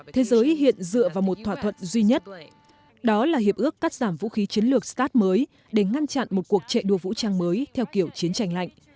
thế giới hiện dựa vào một thỏa thuận duy nhất đó là hiệp ước cắt giảm vũ khí chiến lược stat mới để ngăn chặn một cuộc chạy đua vũ trang mới theo kiểu chiến tranh lạnh